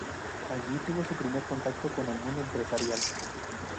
Allí tuvo su primer contacto con el mundo empresarial.